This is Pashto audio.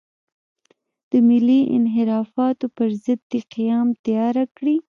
د ملي انحرافاتو پر ضد دې قیام تیاره کړي.